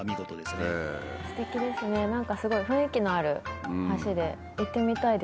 すてきですねすごい雰囲気のある橋で行ってみたいです。